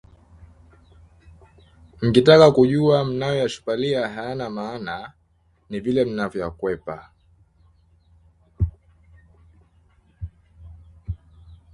Mkitaka kujua mnayoyashupalia hayana maana, ni vile mnavyoyakwepa